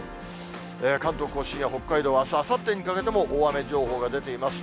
関東甲信や北海道は、あすあさってにかけても、大雨情報が出ています。